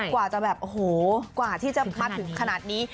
กว่าจะแบบโอ้โหกว่าที่จะมาถึงขนาดนี้